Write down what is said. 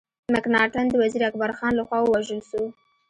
مکناټن د وزیر اکبر خان له خوا ووژل سو.